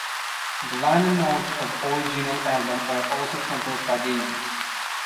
The liner notes of the original album were also composed by Davis.